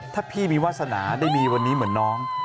ถ้าพี่มีวาสนาได้มีวันนี้เหมือนน้อง